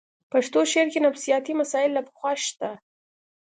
پښتو شعر کې نفسیاتي مسایل له پخوا شته